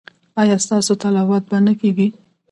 ایا ستاسو تلاوت به نه کیږي؟